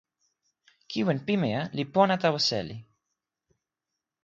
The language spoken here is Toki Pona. kiwen pimeja li pona tawa seli.